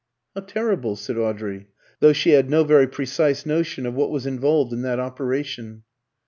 "How terrible!" said Audrey, though she had no very precise notion of what was involved in that operation.